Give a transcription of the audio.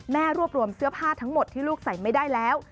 รวบรวมเสื้อผ้าทั้งหมดที่ลูกใส่ไม่ได้แล้ว